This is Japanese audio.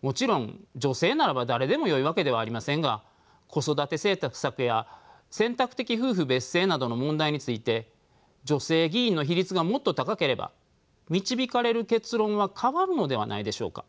もちろん女性ならば誰でもよいわけではありませんが子育て政策や選択的夫婦別姓などの問題について女性議員の比率がもっと高ければ導かれる結論は変わるのではないでしょうか。